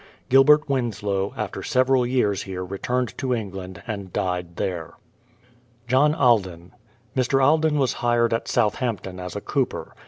Gilbert Winslow, after several years here returned to England and died there. JOHN ALDEN. Mr. Alden was hired at Southampton as a cooper.